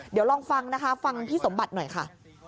เดี๋ยวลองฟังนะคะฟังพี่สมบัติหน่อยค่ะ